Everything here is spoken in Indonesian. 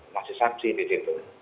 masih saksi di situ